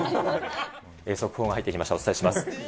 速報が入ってきました、お伝えします。